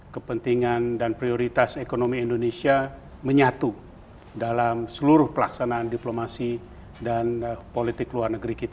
kepentingan dan prioritas ekonomi indonesia menyatu dalam seluruh pelaksanaan diplomasi dan politik